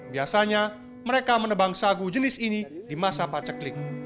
biasanya mereka menebang sagu jenis ini di masa paceklik